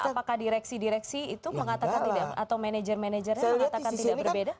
apakah direksi direksi itu mengatakan tidak atau manajer manajernya mengatakan tidak berbeda